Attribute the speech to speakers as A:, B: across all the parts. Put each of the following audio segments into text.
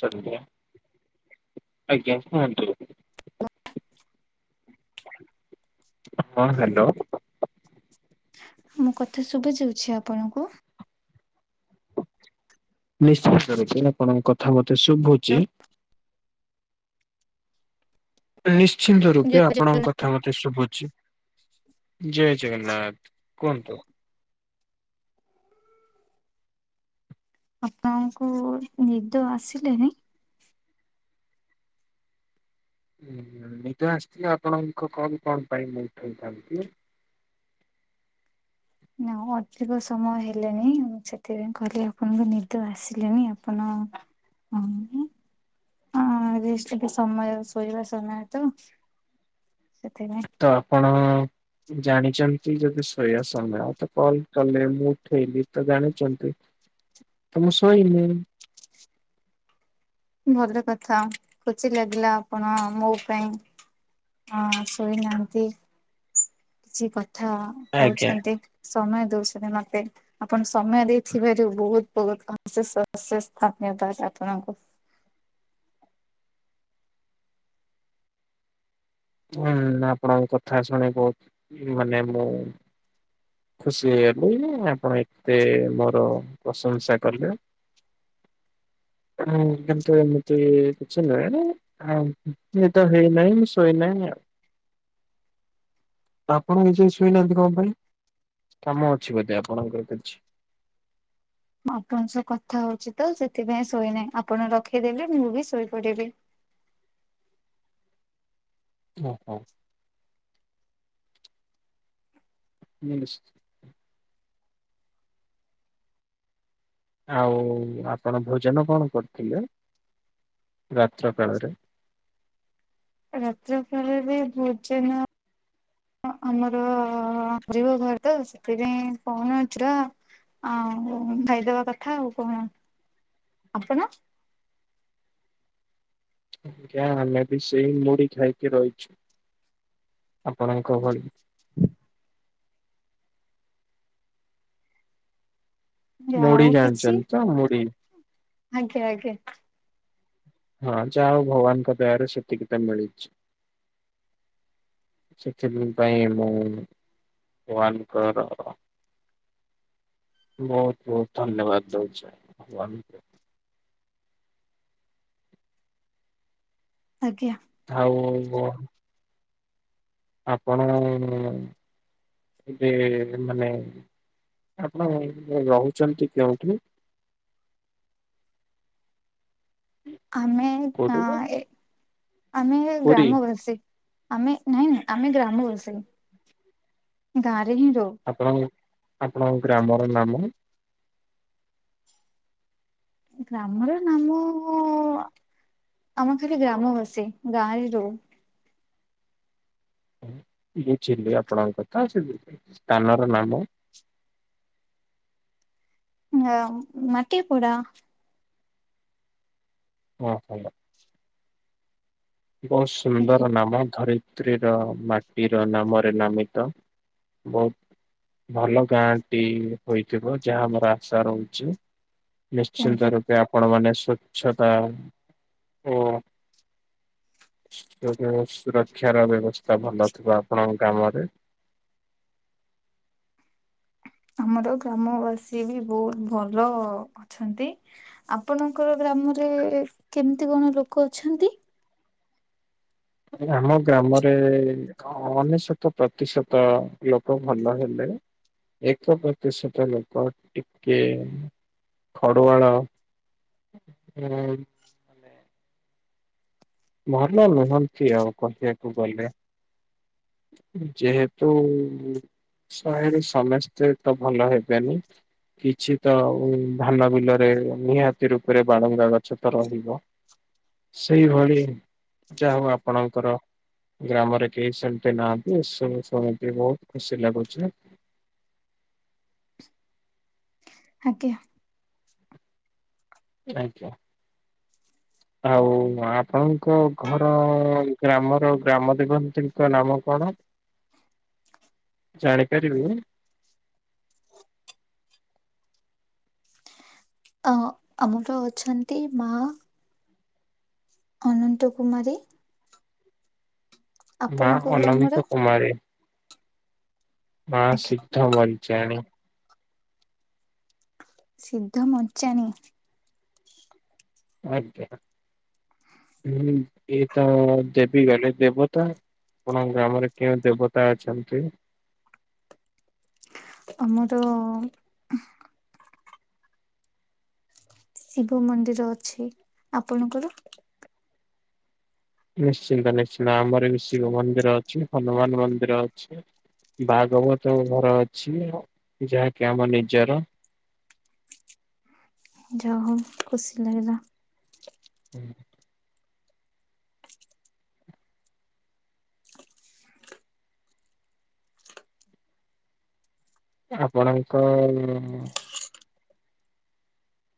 A: [unintelligible] ଆଜ୍ଞା କୁହନ୍ତୁ।
B: [inaudible]
A: ହଁ ହ୍ୟାଲୋ।
B: ମୁଁ କଥା ଶୁଭା ଯାଉଛି ଆପଣଙ୍କୁ।
A: ନିଶ୍ଚିତ ରୂପେ ଆପଣଙ୍କ କଥା ମତେ ଶୁଭୁଛି। ନିଶ୍ଚିନ୍ତ ରୂପେ ଆପଣଙ୍କ କଥା ମତେ ଶୁଭୁଛି, ଜୟ ଜଗନ୍ନାଥ କୁହନ୍ତୁ।
B: ଆପଣଙ୍କୁ ନିଦ ଆସିଲେଣି।
A: ନିଦ ଆସିଥିଲେ ଆପଣଙ୍କ କଲ ମୁଁ କଣ ପାଇଁ ମୁଁ ଉଠାଇଥାନ୍ତି।
B: ନା ଅଧିକ ସମୟ ହେଲାଣିି, ମୁଁ ସେଥିପାଇଁ କହିଲି ଆପଣଙ୍କୁ ନିଦ ଆସିଲାଣି ଆପଣ ହଁ ରେଷ୍ଟ ନେବା ସମୟ ଶୋଇବା ସମୟ ତ। ସେଥିପାଇଁ
A: ତ ଆପଣ ଜାଣିଛନ୍ତି ଯଦି ଶୋଇବା ସମୟ ତ କଲ କଲେ ମୁଁ ଉଠେଇଲି ତ ଜାଣିଛନ୍ତି। ତ ମୁଁ ସୋଇନି।
B: ଭଲ କଥା ଖୁସି ଲାଗିଲା ଆପଣ ମୋ ପାଇଁ ହଁ ଶୋଇନାହାନ୍ତି। କିଛି କଥା
A: ଆଜ୍ଞା
B: କହୁଛନ୍ତି ସମୟ ଦଉଛନ୍ତି ମତେ। ଆପଣ ସମୟ ଦେଇଥିବାରୁ ବହୁତ ବହୁତ ଅଶେଷ ଅଶେଷ ଧନ୍ୟବାଦ ଆପଣଙ୍କୁ।
A: ହୁଁ ଆପଣଙ୍କ କଥା ଶୁଣି ବହୁତ ମାନେ ମୁଁ ଖୁସି ହେଇଗଲି, ଆପଣ ଏତେ ମୋର ପ୍ରଶଂସା କଲେ, ମୁଁ କିନ୍ତୁ ଏମିତି କିଛି ନୁହେଁ। ଆଉ ନିଦ ହେଇନାହିଁ ମୁଁ ଶୋଇନାହିଁ ଆଉ। ତ ଆପଣ ଏଯାଏଁ ଶୋଇନାହାନ୍ତି କଣ ପାଇଁ। କାମ ଅଛି ବୋଧେ ଆପଣଙ୍କର କିଛି।
B: ଆପଣଙ୍କ ସହ କଥା ହଉଛି ତ ସେଥିପାଇଁ ଶୋଇନାହିଁ ଆପଣ ରଖିଦେଲେ ମୁଁ ବି ଶୋଇ ପଡ଼ିବି।
A: ହଉ ହଉ। ହୁଁ ନିଶ୍ଚ୍ ଆଉ ଆପଣ ଭୋଜନ କଣ କରିଥିଲେ ରାତ୍ର କାଳରେ।
B: ରାତ୍ର କାଳରେ ଭୋଜନ ହଁ ଆମର [unintelligible] [unintelligible] [unintelligible] ତ ସେଥିପାଇଁ [unintelligible] ଆଉ ଖାଇଦବା କଥା ଆଉ କଣ, ଆପଣ।
A: ଯାହା ହେଲେ ବି ସେଇ ମୁଢ଼ି ଖାଇକି ରହିଛୁ ଆପଣଙ୍କ ଭଳି। ମୁଢ଼ି
B: ଆଉ କିଛି
A: ଜାଣିଛନ୍ତି ତ ମୁଢ଼ି।
B: ଆଜ୍ଞା ଆଜ୍ଞା।
A: ହଁ ଯାହା ହଉ ଭଗବାନଙ୍କ ଦୟାରୁ ସେତିକି ତ ମିଳିଛି। ସେଥିପାଇଁ ମୁଁ ଭଗବାନଙ୍କର ବହୁତ ବହୁତ ଧନ୍ୟବାଦ ଦଉଛି ଭଗବାନଙ୍କୁ।
B: ଆଜ୍ଞା।
A: ଆଉ ଗ ଆପଣ ଯେ ମାନେ ଆପଣ ରହୁଛନ୍ତି କେଉଁଠି।
B: ଆମେ
A: କୋଉଠି ବା
B: ଅଂ ଏଁ ଆମେ
A: ପୁରୀ
B: ଗ୍ରାମବାସୀ। ଆମେ ନାଇଁ ନାଇଁ ଆମେ ଗ୍ରାମ ବାସି ଗାଁ ରେ ହିଁ ରହୁ।
A: ଆପଣ ଆପଣଙ୍କ ଗ୍ରାମର ନାମ।
B: ଗ୍ରାମର ନାମ ଆମର ଖାଲି ଗ୍ରାମ ବାସି ଗାଁରେ ରହୁ।
A: ବୁଝିଲି ଆପଣଙ୍କ କଥା ସେ ସ୍ଥାନ ର ନାମ।
B: ହଁ ମାଟିପୁର।
A: ହଁ ଭଲ। ବହୁତ ସୁନ୍ଦର ନାମ ଧରିତ୍ ଧରିତ୍ରୀ ମାଟିର ନାମରେ ନାମିତ। ବହୁତ ଭଲ ଗାଁଟି ହୋଇଥିବ ଯାହା ଆମର ଆଶା ରହୁଛି। ନିଶ୍ଚିନ୍ତ
B: ଆଜ୍ଞା
A: ରୂପେ ଆପଣ ମାନେ ସ୍ଵଚ୍ଛତା ଓ [unintelligible] ସୁରକ୍ଷାର ବ୍ୟବସ୍ଥା ଭଲ ଥିବ ଆପଣଙ୍କ ଗ୍ରାମରେ।
B: ଆମର ଗ୍ରାମବାସୀ ବି ବହୁତ ଭଲ ଅଛନ୍ତି। ଆପଣଙ୍କର ଗ୍ରାମରେ କେମିତି କଣ ଲୋକ ଅଛନ୍ତି?
A: ଆମ ଗ୍ରାମରେ ହଁ ଅନେଶତ ପ୍ରତିଶତ ଲୋକ ଭଲ ହେଲେ। ଏକ ପ୍ରତିଶତ ଲୋକ ଟିକେ ଖଡ଼ୁଆଳ, ହୁଁ। [unintelligible] କହିବାକୁ ଗଲେ। ଯେହେତୁ ଶହେରୁ ସମସ୍ତେ ତ ଭଲ ହେବେନି। କିଛି ତ ଆଉ ଧାନ ବିଲରେ ନିହାତି ରୂପରେ ବାଳୁଙ୍ଗା ଗଛ ତ ରହିବ। ସେଇଭଳି ଯାହା ହେଉ ଆପଣଙ୍କର ଗ୍ରାମରେ କେହି ସେମ ତି ନାହାଁନ୍ତି, ସେ ଶୁଣିକି ବହୁତ ଖୁସି ଲାଗୁଛି।
B: ଆଜ୍ଞା।
A: ଆଜ୍ଞା। ଆଉ ଆପଣଙ୍କ ଘର ଗ୍ରାମର ଗ୍ରାମ ଦେବତୀଙ୍କ ନାମ କଣ? ଜାଣି ପାରିବୁ?
B: ଅ ଆମର ଅଛନ୍ତି, ମା ଅନନ୍ତ କୁମାରୀ
A: ମା
B: ଆପଣଙ୍କ ଗ୍ରାମର
A: ଅନନ୍ତ କୁମାରୀ ମା
B: ଆଜ୍ଞା
A: ସିଦ୍ଧ ବଞ୍ଚାଣି
B: ସିଦ୍ଧ ମଞ୍ଚାଣି
A: ଆଜ୍ଞା, ହୁଁ ଏଇ ତ ଦେବି ଗଲେ ଦେବ ତା ଆପଣଙ୍କ ଗ୍ରାମରେ କେଉଁ ଦେବତା ଅଛନ୍ତି?
B: ଆମର ଶିବ ମନ୍ଦିର ଅଛି, ଆପଣଙ୍କର?
A: ନିଶ୍ଚିନ୍ତ ନିଶ୍ଚିନ୍ତ ଆମର ବି ଶିବ ମନ୍ଦିର ଅଛି, ହନୁମାନ ମନ୍ଦିର ଅଛି। ଭାଗବତ ଘର ଅଛି ଯାହାକି ଆମ ନିଜର।
B: ଯା ହଉ ଖୁସି ଲାଗିଲା।
A: ହୁଁ ଆପଣଙ୍କ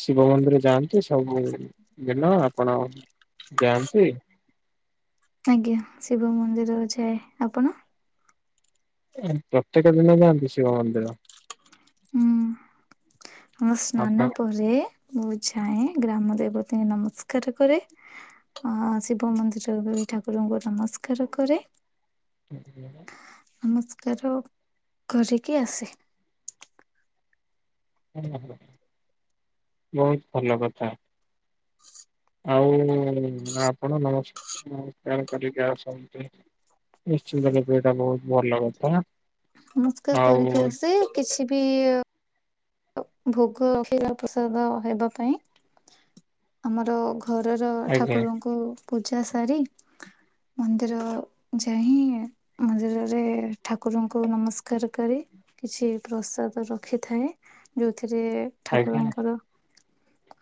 A: ଶିବ ମନ୍ଦିର ଯାଆନ୍ତୁ ସବୁ ଦିନ ଆପଣ ଯାଆନ୍ତି?
B: ଆଜ୍ଞା, ଶିବ ମନ୍ଦିର ଅଛି, ଆପଣ
A: ପ୍ରତ୍ୟେକ ଦିନ ଯାଆନ୍ତି ଶିବ ମନ୍ଦିର?
B: ମୁଁ ସ୍ନାନ
A: ଆପଣ
B: ପରେ ମୁଁ ଯାଏ ଗ୍ରାମ ଦେବତୀଙ୍କୁ ନମସ୍କାର କରେ। ଅ ଶିବ ମନ୍ଦିର ଠାକୁରଙ୍କୁ ନମସ୍କାର କରେ।
A: ଆୁଁ
B: ନମସ୍କାର କରିକି ଆସେ।
A: ବହୁତ ଭଲ କଥା। ଆଉ ଆପଣ ନମସ୍କାର କରିକି ଆସଛନ୍ତି। [unintelligible] ବହୁତ ଭଲ କଥା।
B: ନମସ୍କାର
A: ଆଉ
B: କରିକି ଆସେ, କିଛି ବି ଭୋଗ [unintelligible] ପ୍ରସାଦ ହେବା ପାଇଁ। ଆମର ଘରର
A: ଆଜ୍ଞା
B: ଠାକୁରଙ୍କୁ ପୂଜା ସାରି ମନ୍ଦିର ଯାଇଁ ମନ୍ଦିରରେ ଠାକୁରଙ୍କୁ ନମସ୍କାର କରି କିଛି ପ୍ରସାଦ ରଖିଥାଏ ଯୋଉଥିରେ
A: ଆଜ୍ଞା
B: ଠାକୁରଙ୍କର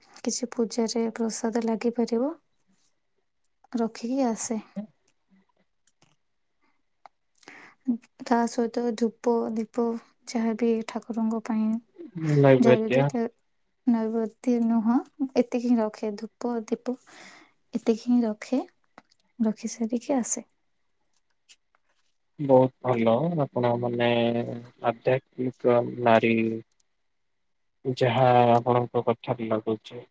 B: କିଛି ପୂଜାରେ ପ୍ରସାଦ ଲାଗିପାରିବ ରଖିକି ଆସେ। ତା ସହିତ ଧୂପ ଦୀପ ଯାହାବି ଠାକୁରଙ୍କ ପାଇଁ
A: ନୈବେଦ୍ୟ
B: ଜରୁରୀ ତ ନୈବଦୀ ନୁହଁ ଏତିକି ହିଁ ରଖେ ଧୂପ ଦୀପ। ଏତିକି ହିଁ ରଖେ ରଖି ସାରିକି ଆସେ।
A: ବହୁତ ଭଲ ଆପଣ ମାନେ ଆଧ୍ୟାତ୍ମିକ ନାରୀ। ଯାହା ଆପଣଙ୍କ କଥାରେ ଲାଗୁଛି।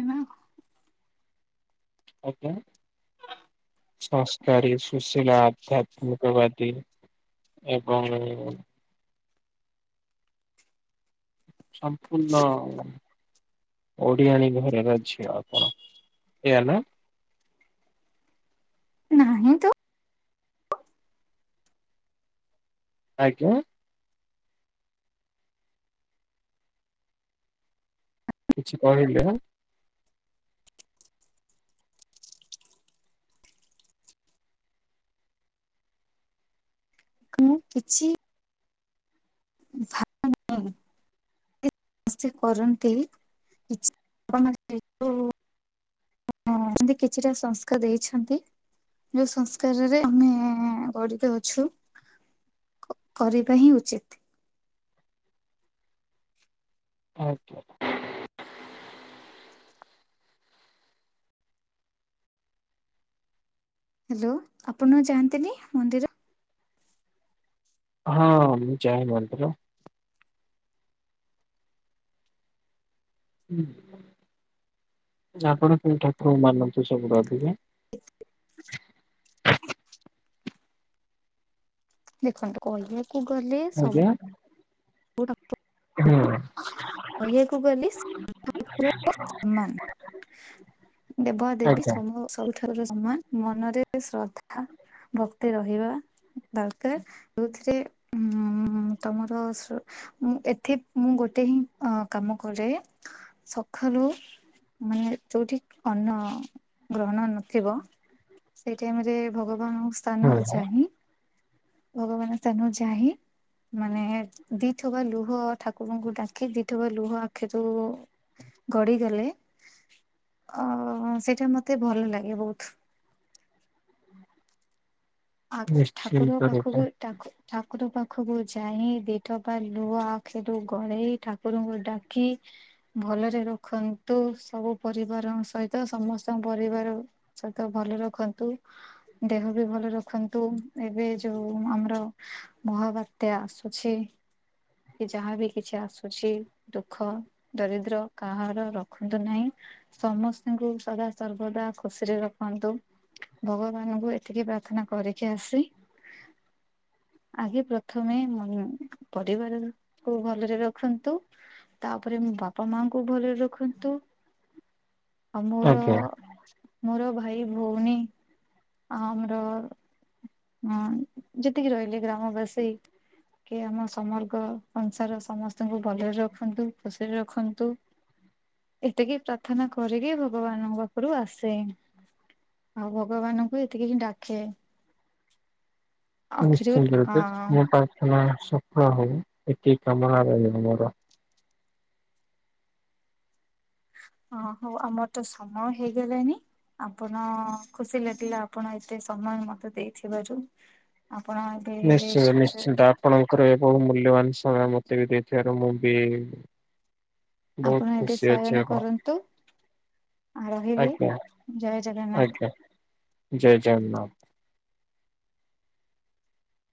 B: ଏ ନା
A: ଓ କେ ସଂସ୍କାରୀ ସୁଶୀଳା ଆଧ୍ୟାତ୍ମିକବାଦୀ ଏବଂ ସମ୍ପୂର୍ଣ୍ଣ ଓଡ଼ିଆଣୀ ଘରର ଝିଅ ଆପଣ ଏୟା ନା?
B: ନାହିଁ ତ
A: ଆଜ୍ଞା। କିଛି କହିଲେ?
B: ମୁଁ କିଛି ଭା ସେ କରନ୍ତି କିଛି [unintelligible] ହଁ ମିତି କିଛିଟା ସଂସ୍କା ଦେଇଛନ୍ତି। ଯୋଉ ସଂସ୍କାରରେ ଆମେ ଗଢ଼ିତ ଅଛୁ। କ କରିବା ହିଁ ଉଚିତ।
A: ଆଜ୍ଞା।
B: ହାଲୋ ଆପଣ ଯାଆନ୍ତିନି ମନ୍ଦିର?
A: ହଁ ମୁଁ ଚାହେଁ ମନ୍ତର ହୁଁ ଆପଣ କଉ ଠାକୁର ମାନନ୍ତୁ ସବୁଠୁ ଅଧିକା?
B: ଦେଖନ୍ତୁ କହିବାକୁ ଗଲେ ସ
A: ହଁ।
B: କହିବାକୁ ଗଲି [unintelligible] ସମାନ୍। ଦେବା ଦେବୀ
A: ଆଜ୍ଞା
B: ସବୁ ସବୁ ଠାକୁର ସମାନ ମନରେ ଶ୍ରଦ୍ଧା ଭକ୍ତି ରହିବା ଦରକାର୍ ଯଉଥିରେ ଉଁ ତମର ମୁଁ ଏଠି ମୁଁ ଗୋଟେ ହିଁ ଅଂ କାମ କରେ ସକାଲୁ ମାନେ ଯୋଉଠି ଅନ୍ନ ଗ୍ରହଣ ନଥିବ ସେଇ ଟାଇମ୍ ରେ ଭଗବାନ ସାନକୁ
A: ହୁଁ
B: ଚାହିଁ ଭଗବାନ ସାନୁ ଚାହିଁ ମାନେ ଦିଥୁବା ଲୁହ ଠାକୁରଙ୍କୁ ଡାକି ଦିଥୁବା ଲୁହ ଆଖିରୁ ଗଡିଗଲେ ଅ ସେଟା ମତେ ଭଲ ଲାଗେ ବହୁତ୍। ଆ
A: ନିଶ୍ଚିନ୍ତ
B: ଠାକୁରଙ୍କ
A: ରୂପେ
B: ପାଖକୁ ଠାକୁ ଠାକୁର ପାଖକୁ ଯାଇ ଦି ଠବା ଲୁହ ଆଖିରୁ ଗଳେଇ ଠାକୁରଙ୍କୁ ଡା କି ଭଲରେ ରଖନ୍ତୁ ସବୁ ପରିବାର ସହିତ ସମସ୍ତ ପରିବାର ସହିତ ଭଲ ରଖନ୍ତୁ, ଦେହ ବି ଭଲ ରଖନ୍ତୁ ଏବେ ଯୋଉ ଆମର ମହାବାତ୍ୟା ଆସୁଛି। କି ଯାହାବ କିଛି ଆସୁଛି ଦୁଃଖ ଦରିଦ୍ର କାହାର ରଖନ୍ତୁ ନାହିଁ। ସମସ୍ତଙ୍କୁ ସଦା ସର୍ବଦା ଖୁସିରେ ରଖନ୍ତୁ। ଭଗବାନଙ୍କୁ ଏତିକି ପ୍ରାର୍ଥନା କରିକି ଆସି
A: [inaudible]
B: ଆଗେ ପ୍ରଥମେ ପରିବାର କୁ ଭଲରେ ରଖନ୍ତୁ। ତାପରେ ମୋ ବାପା ମାଙ୍କୁ ଭଲରେ ରଖନ୍ତୁ। ଆଉ ମୋର
A: ଆଜ୍ଞା
B: ମୋର ଭାଇ ଭଉଣୀ ଆ ଆମର ହଁ ଯେତିକି ରହିଲେ ଗ୍ରାମବାସୀ କି ଆମ ସମର୍ଗ୍ର ସଂସାର ସମସ୍ତଙ୍କୁ ଭଲରେ ରଖନ୍ତୁ ଖୁସିରେ ରଖନ୍ତୁ।
A: [inaudible]
B: ଏତିକି ପ୍ରାର୍ଥନା କରିକି ଭଗବାନଙ୍କ ପାଖରୁ ଆସେ। ଆଉ ଭଗବାନଙ୍କୁ ଏତିକି ହିଁ ଡାକେ। ଆଖିରୁ
A: ନିଶ୍ଚିନ୍ତ ରୂପେ
B: ଅ
A: ତୁମ ପ୍ରାର୍ଥନା ସଫଳ ହଉ ଏତିକି କାମନା ରହିବ ମୋର।
B: ଓ ହଉ ଆମର ତ ସମୟ ହେଇଗଲାଣିି। ଆପଣ ଖୁସି ଲାଗିଲା ଆପଣ ଏତେ ସମୟ ମତେ ଦେଇଥିବାରୁ। ଆପଣ ଏବେ
A: ନିଶ୍ଚିନ୍ତ
B: ରେଷ୍ଟ
A: ନିଶ୍ଚିନ୍ତ ଆପଣଙ୍କର ବହୁ ମୂଲ୍ୟବାନ ସମୟ ମତେ ବି ଦେଇଥିବାରୁ ମୁଁ ବି ବହୁତ
B: ଆପଣ ଏବେ
A: ଖୁସି ଅଛି
B: ସୟନ
A: ଏବଂ
B: କରନ୍ତୁ। ଆଉ ରହିଲି
A: ଆଜ୍ଞା
B: ଜୟ ଜଗନ୍ନାଥ।
A: ଆଜ୍ଞା ଜୟ ଜଗନ୍ନାଥ।